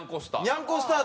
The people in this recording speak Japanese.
にゃんこスター。